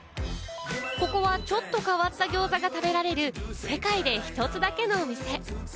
ここはちょっと変わったぎょうざが食べられる、世界で１つだけのお店。